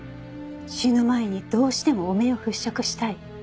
「死ぬ前にどうしても汚名を払拭したい」。